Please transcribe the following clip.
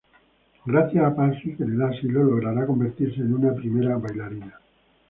Gracias a Patsy, que le da asilo, logrará convertirse en una primera bailarina.